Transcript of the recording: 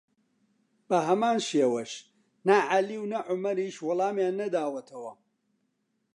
بەهەمان شێوەش نە عەلی و نە عومەریش وەڵامیان نەداوەتەوە